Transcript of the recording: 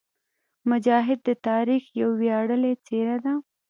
مجاهد د تاریخ یوه ویاړلې څېره ده.